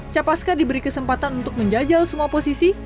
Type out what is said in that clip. capaska diberi kesempatan untuk menjajal semua posisi